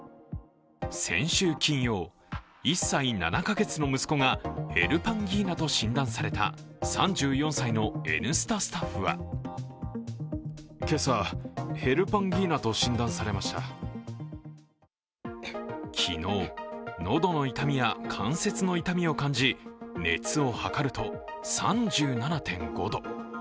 先週金曜、１歳７か月の息子がヘルパンギーナと診断された３４歳の「Ｎスタ」スタッフは昨日、喉の痛みや関節の痛みを感じ熱を測ると３７．５度。